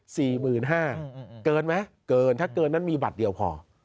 สี่หมื่นห้าเกินไหมเกินถ้าเกินนั้นมีบัตรเดียวพอ